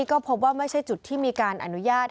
ก็พบว่าไม่ใช่จุดที่มีการอนุญาต